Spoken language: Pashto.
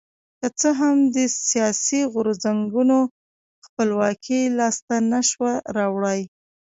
که څه هم دې سیاسي غورځنګونو خپلواکي لاسته نه شوه راوړی.